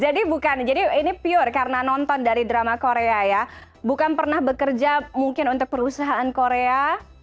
jadi bukan jadi ini pure karena nonton dari drama korea ya bukan pernah bekerja mungkin untuk perusahaan korea